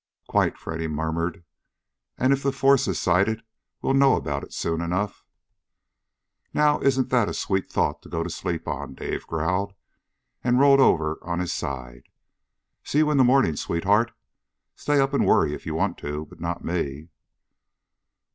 "Quite," Freddy murmured. "And if the force is sighted we'll know about it soon enough." "Now, isn't that a sweet thought to go to sleep on?" Dave growled, and rolled over on his side. "See you in the morning, sweetheart. Stay up and worry if you want to. But not me!"